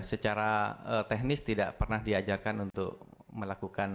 secara teknis tidak pernah diajarkan untuk melakukan